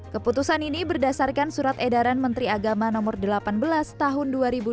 keputusan ini berdasarkan surat edaran menteri agama no delapan belas tahun dua ribu dua puluh